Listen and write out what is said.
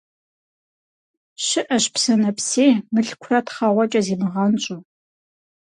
Щыӏэщ псэ нэпсей, мылъкурэ тхъэгъуэкӏэ зимыгъэнщӏу.